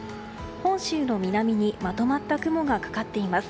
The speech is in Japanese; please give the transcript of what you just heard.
本州の南にまとまった雲がかかっています。